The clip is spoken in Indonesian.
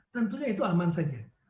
tentunya itu aman saja